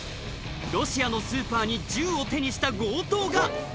ロシアのスーパーに銃を手にした強盗が！